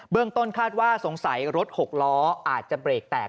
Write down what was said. ต้นคาดว่าสงสัยรถหกล้ออาจจะเบรกแตก